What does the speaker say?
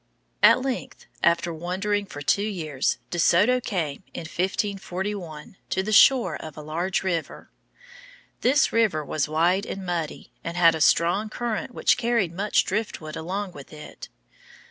At length, after wandering for two years, De Soto came, in 1541, to the shore of a large river. This river was wide and muddy, and had a strong current which carried much driftwood along with it.